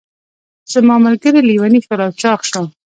زما ملګري لیوني شول او چاغ شول.